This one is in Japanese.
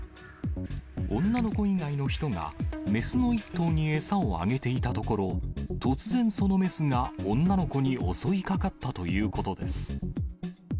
女の子以外の人が、雌の１頭に餌をあげていたところ、突然、その雌が女の子に襲いかかったということです。